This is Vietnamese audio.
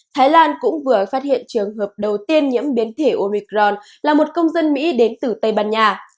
thái lan cũng vừa phát hiện trường hợp đầu tiên nhiễm biến thể omicron là một công dân mỹ đến từ tây ban nha